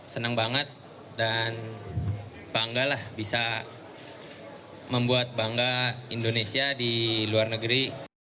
senang banget dan bangga lah bisa membuat bangga indonesia di luar negeri